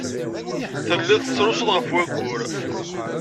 Telliḍ tettrusuḍ ɣef wayyur.